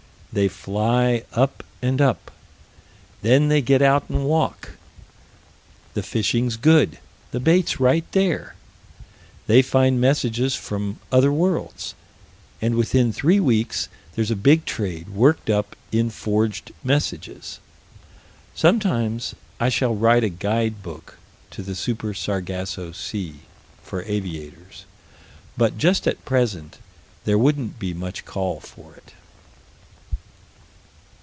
They fly up and up. Then they get out and walk. The fishing's good: the bait's right there. They find messages from other worlds and within three weeks there's a big trade worked up in forged messages. Sometime I shall write a guide book to the Super Sargasso Sea, for aviators, but just at present there wouldn't be much call for it.